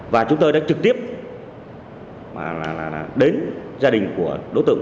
và chúng tôi đã trực tiếp đến gia đình của đối tượng